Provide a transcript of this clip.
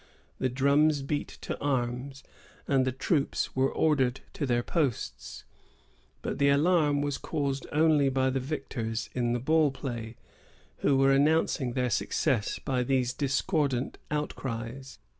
The drums beat to arms, and the troops were ordered to their posts; but the alarm was caused only by the victors in the ball play, who were announcing their success by these discordant outcries.